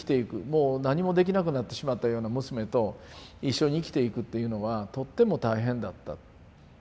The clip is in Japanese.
もう何もできなくなってしまったような娘と一緒に生きていくっていうのはとっても大変だった。